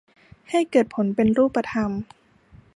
ให้เกิดผลเป็นรูปธรรม